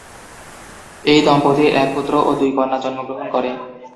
এই দম্পতির এক পুত্র ও দুই কন্যা জন্মগ্রহণ করে।